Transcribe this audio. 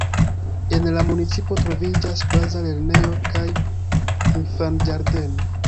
En la municipo troviĝas Baza lernejo kaj Infanĝardeno.